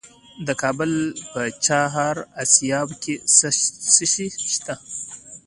د کابل په چهار اسیاب کې څه شی شته؟